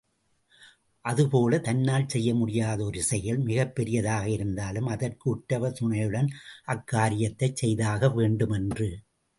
அதுபோலத் தன்னால் செய்யமுடியாத ஒரு செயல் மிகப் பெரியதாக இருந்தாலும், அதற்கு உற்றவர் துணையுடன் அக்காரியத்தைச் செய்தாகவேண்டும் என்று.